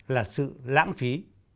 là sự lãng phí